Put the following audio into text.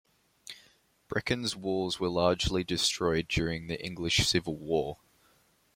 Brecon's walls were largely destroyed during the English Civil War.